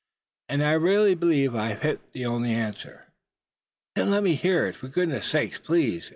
And I really believe I've hit the only answer." "Then let me hear it, for goodness sake, please!"